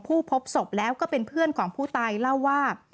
พบศพแล้วก็เป็นเพื่อนของผู้ตายเล่าว่า